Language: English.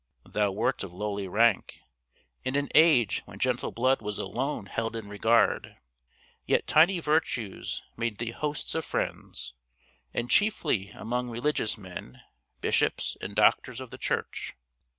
Thou wert of lowly rank, in an age when gentle blood was alone held in regard; yet tiny virtues made thee hosts of friends, and chiefly among religious men, bishops, and doctors of the Church.